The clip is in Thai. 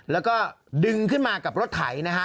แล้วก็ดึงขึ้นมากับรถไถนะฮะ